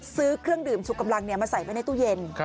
ซื้อเครื่องดื่มสุกำลังมาใส่ไว้ในตู้เย็น